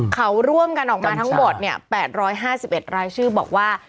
เขาร่วมกันออกมาทั้งหมด๘๕๑รายชื่อบอกว่า